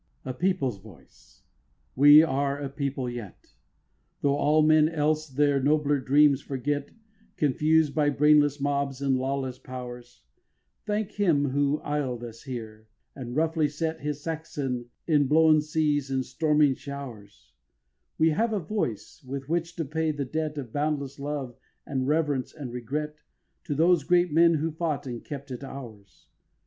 7. A people's voice! we are a people yet. Tho' all men else their nobler dreams forget Confused by brainless mobs and lawless Powers; Thank Him who isled us here, and roughly set His Saxon in blown seas and storming showers, We have a voice, with which to pay the debt Of boundless love and reverence and regret To those great men who fought, and kept it ours.